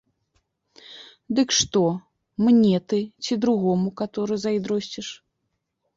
Дык што мне ты ці другому, каторы, зайздросціш?